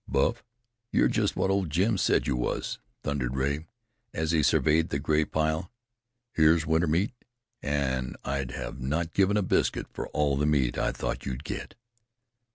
"Buff, you're jest what old Jim said you was," thundered Rea, as he surveyed the gray pile. "Here's winter meat, an' I'd not have given a biscuit for all the meat I thought you'd get."